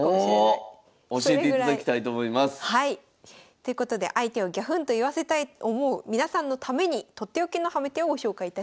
ということで相手をぎゃふんと言わせたいと思う皆さんのために取って置きのハメ手をご紹介いたしたいと思います。